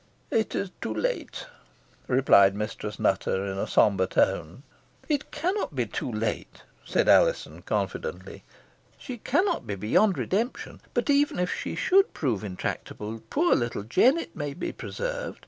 "It is too late," replied Mistress Nutter in a sombre tone. "It cannot be too late," said Alizon, confidently. "She cannot be beyond redemption. But even if she should prove intractable, poor little Jennet may be preserved.